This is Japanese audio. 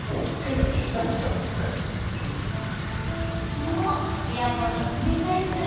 そう、エアコンの冷たい風。